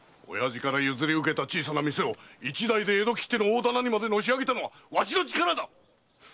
親父から譲り受けた小さな店を一代で江戸きっての大店にまでのし上げたのはわしの力だ！